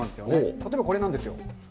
例えばこれなんですよ。